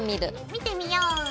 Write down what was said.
見てみよう！